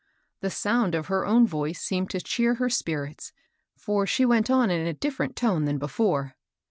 The sound of her own voice seemed to cheer her spirits, foe she went on in a different tone from before.